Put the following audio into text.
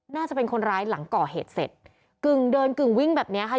น่าจะเป็นคนร้ายหลังก่อเหตุเสร็จกึ่งเดินกึ่งวิ่งแบบเนี้ยค่ะ